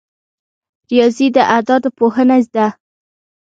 ریاضي د اعدادو پوهنه ده